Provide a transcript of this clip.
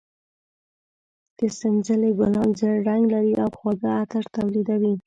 د سنځلې ګلان زېړ رنګ لري او خواږه عطر تولیدوي.